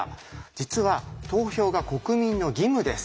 実は投票が国民の義務です。